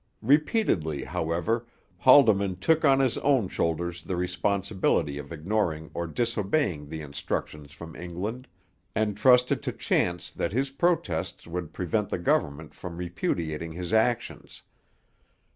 Repeatedly, however, Haldimand took on his own shoulders the responsibility of ignoring or disobeying the instructions from England, and trusted to chance that his protests would prevent the government from repudiating his actions.